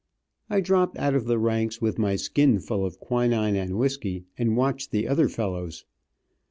I dropped out of the ranks, with my skin full of quinine and whisky, and watched the other fellows.